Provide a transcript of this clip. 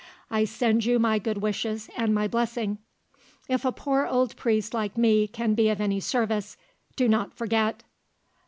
I send you my good wishes, and my blessing. If a poor old priest like me can be of any service, do not forget.